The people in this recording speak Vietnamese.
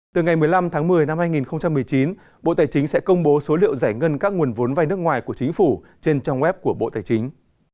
từ ngày một mươi năm tháng một mươi năm hai nghìn một mươi chín bộ tài chính sẽ công bố số liệu giải ngân các nguồn vốn vai nước ngoài của chính phủ trên trang web của bộ tài chính